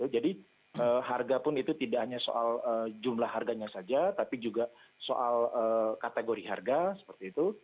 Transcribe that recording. jadi harga pun itu tidak hanya soal jumlah harganya saja tapi juga soal kategori harga seperti itu